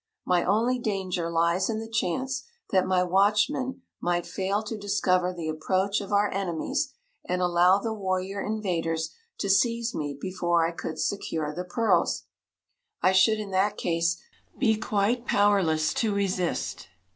My only danger lies in the chance that my watchmen might fail to discover the approach of our enemies and allow the warrior invaders to seize me before I could secure the pearls. I should, in that case, be quite powerless to resist.